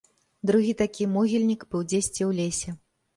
Другі такі могільнік быў дзесьці ў лесе.